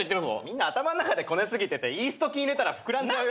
みんな頭の中でこね過ぎててイースト菌入れたら膨らんじゃうよ。